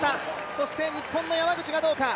そして日本の山口がどうか。